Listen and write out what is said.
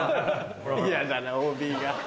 嫌だなＯＢが。